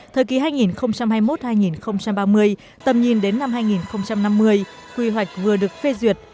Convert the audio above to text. thời kỳ hai nghìn hai mươi một hai nghìn ba mươi tầm nhìn đến năm hai nghìn năm mươi quy hoạch vừa được phê duyệt